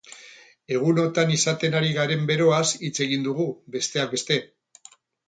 Egunotan izaten ari garen beroaz hitz egin dugu, besteak beste.